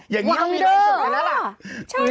อย่างนี้ไม่ให้เลย